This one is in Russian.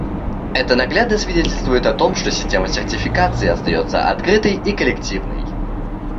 Это наглядно свидетельствует о том, что Система сертификации остается открытой и коллективной.